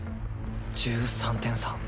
１３点差。